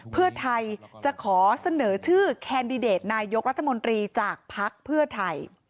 เพื่อไทยจะขอเสนอชื่อแคนดิเดตนายกรัฐมนตรีจากภักดิ์เพื่อไทย